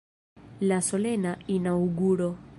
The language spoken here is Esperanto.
La solena inaŭguro.